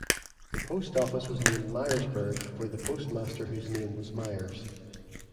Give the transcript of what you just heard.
The post-office was named Miersburg for the postmaster whose name was Miers.